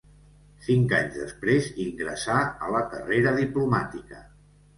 Cinc anys després ingressà a la carrera diplomàtica.